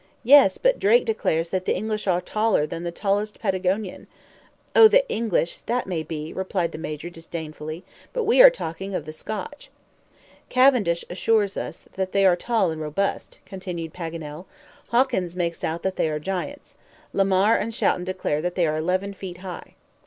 "Yes, but Drake declares that the English are taller than the tallest Patagonian?" "Oh, the English that may be," replied the Major, disdainfully, "but we are talking of the Scotch." "Cavendish assures us that they are tall and robust," continued Paganel. "Hawkins makes out they are giants. Lemaire and Shouten declare that they are eleven feet high."